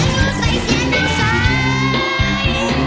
มอกให้ป่าซาก่อน